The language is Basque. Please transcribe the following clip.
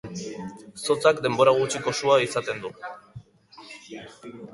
Zotzak denbora gutxiko sua izaten du.